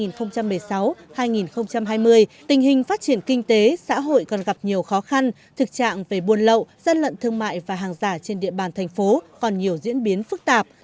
tình hình phát triển kinh tế xã hội còn gặp nhiều khó khăn thực trạng về buôn lậu gian lận thương mại và hàng giả trên địa bàn thành phố còn nhiều diễn biến phức tạp